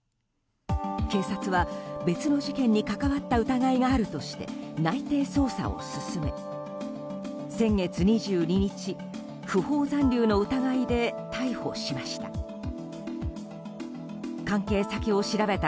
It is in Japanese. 警察は別の事件に関わった疑いがあるとして内偵捜査を進め先月２２日、不法残留の疑いで逮捕しました。